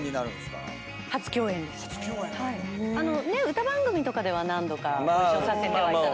歌番組とかでは何度かご一緒させてはいただいてるけど。